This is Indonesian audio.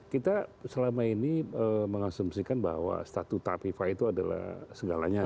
kita selama ini mengasumsikan bahwa statuta fifa itu adalah segalanya